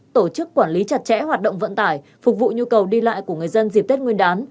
tổ chức quản lý chặt chẽ hoạt động vận tải phục vụ nhu cầu đi lại của người dân dịp tết nguyên đán